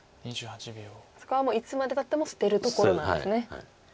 そこはいつまでたっても捨てるところなんですね。